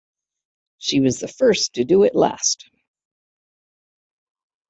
She was the First to do it last.